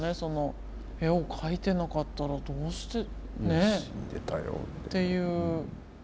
絵を描いてなかったらどうしてねえ？っていう。